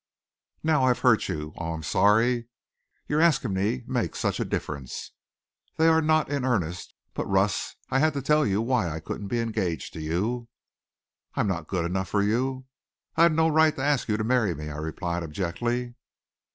"Now, I've hurt you. Oh, I'm sorry. Your asking me makes such a difference. They are not in earnest. But, Russ, I had to tell you why I couldn't be engaged to you." "I'm not good enough for you. I'd no right to ask you to marry me," I replied abjectly.